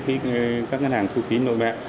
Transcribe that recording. khi các ngân hàng thu phí nội mạng